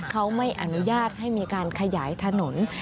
เขาไม่อนุญาตให้มีการขยายถนน